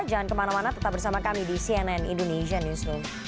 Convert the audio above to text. jangan kemana mana tetap bersama kami di cnn indonesian newsroom